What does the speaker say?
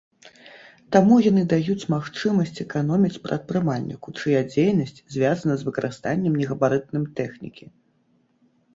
Таму яны даюць магчымасць эканоміць прадпрымальніку, чыя дзейнасць звязана з выкарыстаннем негабарытным тэхнікі.